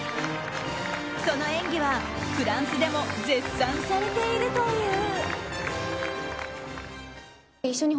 その演技は、フランスでも絶賛されているという。